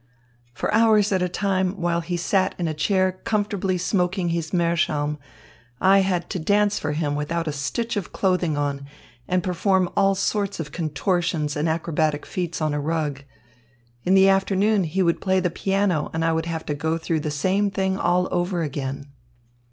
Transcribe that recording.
"For hours at a time, while he sat in a chair comfortably smoking his meerschaum, I had to dance for him without a stitch of clothing on and perform all sorts of contortions and acrobatic feats on a rug. In the afternoon he would play the piano and I would have to go through the same thing all over again."